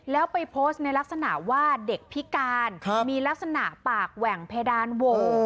แล้วไปโพสต์ในลักษณะว่าเด็กพิการมีลักษณะปากแหว่งเพดานโหว